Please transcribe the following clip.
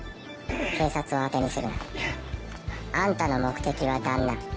警察をあてにするな。あんたの目的は旦那。